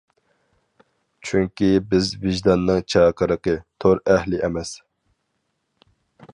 چۈنكى بىز ۋىجداننىڭ چاقىرىقى، تور ئەھلى ئەمەس.